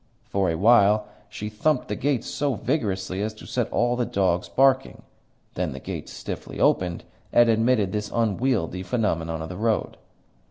For a while she thumped the gates so vigorously as to set all the dogs barking; then the gates stiffly opened, and admitted this unwieldy phenomenon of the road.